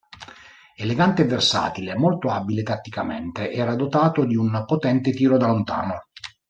Elegante e versatile, molto abile tatticamente, era dotato di un potente tiro da lontano.